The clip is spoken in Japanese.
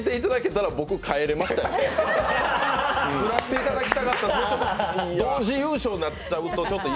ずらしていただきたかったぞと。